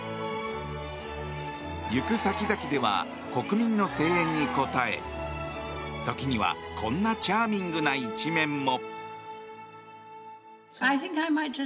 行く先々では国民の声援に応え時にはこんなチャーミングな一面も。